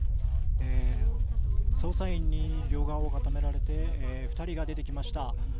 捜査員に両側を固められて２人が出てきました。